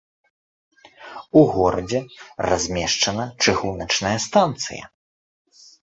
У горадзе размешчана чыгуначная станцыя.